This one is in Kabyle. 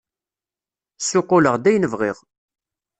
Ssuqquleɣ-d ayen bɣiɣ!